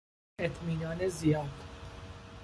اطمینان زیاد